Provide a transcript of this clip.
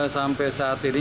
sampai saat ini